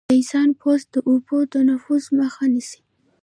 د انسان پوست د اوبو د نفوذ مخه نیسي.